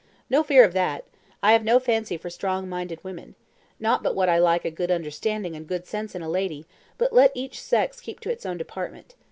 "No fear of that. I have no fancy for strong minded women. Not but what I like a good understanding and good sense in a lady, but let each sex keep to its own department.